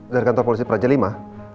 dari kantor polisi praja v